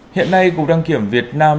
hiện nay cục đăng kiểm việt nam